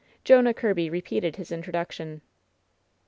Jonah Kirby repeated his introduction.